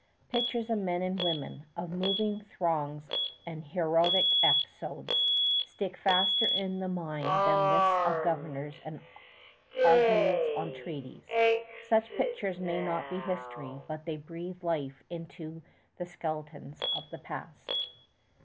Pictures of men and women, of moving throngs and heroic episodes, stick faster in the mind than lists of governors and arguments on treaties. Such pictures may not be history, but they breathe life into the skeletons of the past.